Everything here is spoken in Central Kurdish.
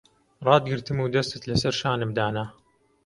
ڕاتگرتم و دەستت لەسەر شانم دانا...